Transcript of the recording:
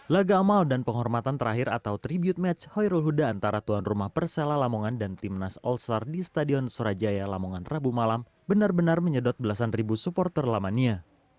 laga amal dan penghormatan terakhir atau tribute match hoirul huda antara tuan rumah persela lamongan dan timnas all star di stadion surajaya lamongan rabu malam benar benar menyedot belasan ribu supporter lamania